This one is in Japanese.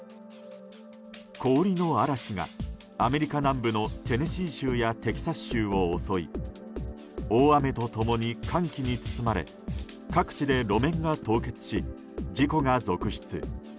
氷の嵐がアメリカ南部のテネシー州やテキサス州を襲い大雨と共に寒気に包まれ各地で路面が凍結し事故が続出。